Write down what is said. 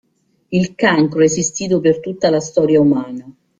Il cancro è esistito per tutta la storia umana.